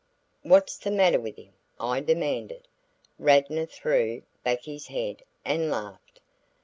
"What's the matter with him?" I demanded. Radnor threw back his head and laughed.